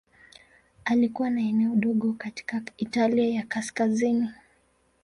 Alikuwa na eneo dogo katika Italia ya Kaskazini.